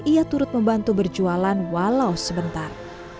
ia turut membantu berjualan walau sebentar